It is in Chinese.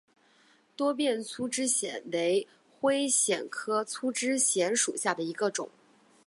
多变粗枝藓为灰藓科粗枝藓属下的一个种。